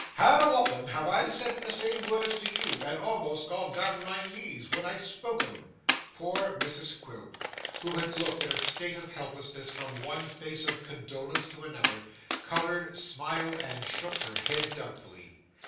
'How often have I said the same words to you, and almost gone down my knees when I spoke 'em!' Poor Mrs Quilp, who had looked in a state of helplessness from one face of condolence to another, coloured, smiled, and shook her head doubtfully.